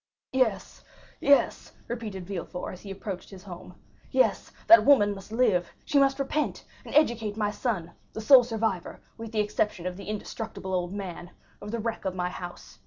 "Yes, yes," repeated Villefort, as he approached his home—"yes, that woman must live; she must repent, and educate my son, the sole survivor, with the exception of the indestructible old man, of the wreck of my house.